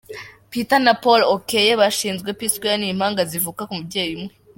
Peter na Paul Okoye bashinze P-Square, ni impanga zivuka ku mubyeyi umwe.